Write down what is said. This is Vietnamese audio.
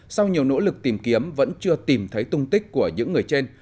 sau nhiều nỗ lực tìm kiếm vẫn chưa tìm thấy tung tích của những người trên